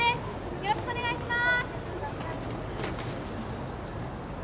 よろしくお願いします